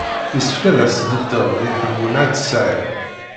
Yessefk ad as-tbedded i Ḥemmu n At Sɛid.